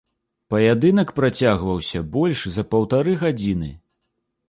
Паядынак працягваўся больш за паўтары гадзіны.